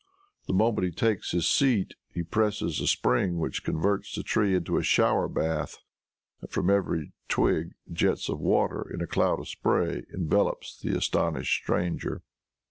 The moment he takes his seat he presses a spring which converts the tree into a shower bath, and from every twig jets of water in a cloud of spray, envelops the astonished stranger.